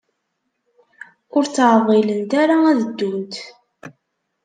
Ur ttɛeḍḍilent ara ad ddunt.